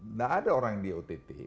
nggak ada orang di ott